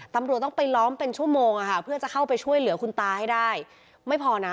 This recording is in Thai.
ตำรวจต้องไปล้อมเป็นชั่วโมงพยายามจะเข้าไปช่วยเหลือคุณตาให้ได้